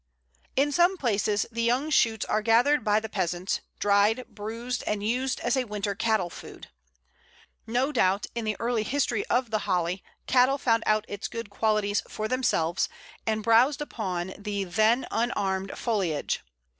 In some places the young shoots are gathered by the peasants, dried, bruised, and used as a winter cattle food. No doubt, in the early history of the Holly, cattle found out its good qualities for themselves, and browsed upon the then unarmed foliage.